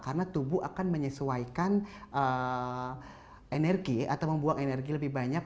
karena tubuh akan menyesuaikan energi atau membuang energi lebih banyak